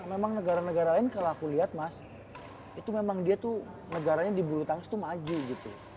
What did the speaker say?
memang negara negara lain kalau aku lihat mas itu memang dia tuh negaranya di bulu tangkis tuh maju gitu